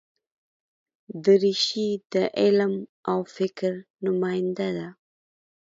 دریشي د علم او فکر نماینده ده.